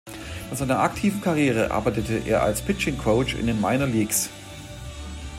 Nach seiner aktiven Karriere arbeitete er als Pitching Coach in den Minor Leagues.